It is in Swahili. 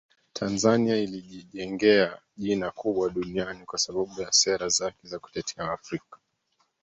Tanzania ilijijengea jina kubwa duniani kwa sababu ya sera zake za kutetea Waafrika